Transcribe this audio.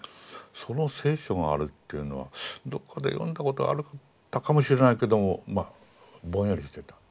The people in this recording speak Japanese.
その聖書があるっていうのはどっかで読んだことはあったかもしれないけどもまあぼんやりしていた。